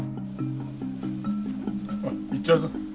おい行っちゃうぞ。